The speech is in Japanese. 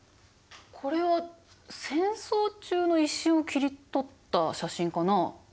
これは戦争中の一瞬を切り取った写真かな？